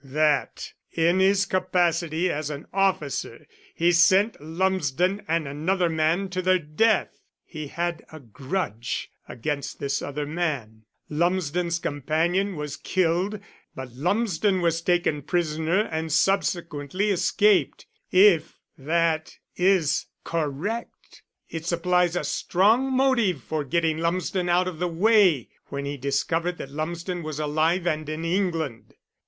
That in his capacity as an officer he sent Lumsden and another man to their death. He had a grudge against this other man. Lumsden's companion was killed but Lumsden was taken prisoner and subsequently escaped. If that is correct, it supplies a strong motive for getting Lumsden out of the way when he discovered that Lumsden was alive and in England."